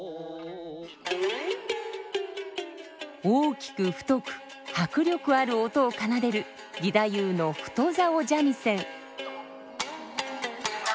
大きく太く迫力ある音を奏でる義太夫の太棹三味線。